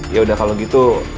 yaudah kalau gitu